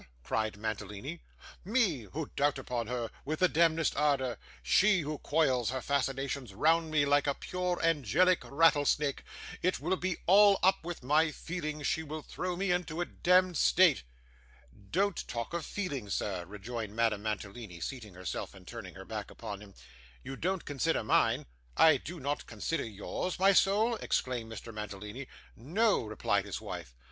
cried Mantalini. 'Me who dote upon her with the demdest ardour! She, who coils her fascinations round me like a pure angelic rattlesnake! It will be all up with my feelings; she will throw me into a demd state.' 'Don't talk of feelings, sir,' rejoined Madame Mantalini, seating herself, and turning her back upon him. 'You don't consider mine.' 'I do not consider yours, my soul!' exclaimed Mr. Mantalini. 'No,' replied his wife.